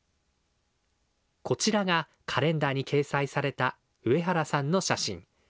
こちらがカレンダーに掲載された上原さんの写真。